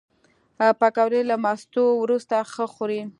پکورې له مستو وروسته ښه خوري